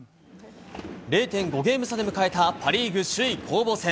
０．５ゲーム差で迎えたパ・リーグ首位攻防戦。